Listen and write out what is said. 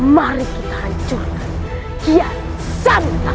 mari kita hancurkan kian santa